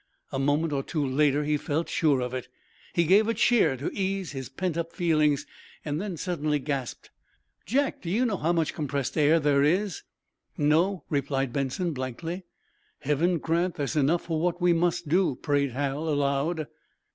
A moment or two later he felt sure of it. He gave a cheer to ease his pent up feelings, then suddenly gasped: "Jack, do you know how much compressed air there is?" "No," replied Benson, blankly. "Heaven grant there's enough for what we must do," prayed Hal, aloud.